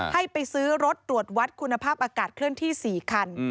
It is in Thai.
ให้ไปซื้อรถตรวจวัดคุณภาพอากาศเคลื่อนที่๔คัน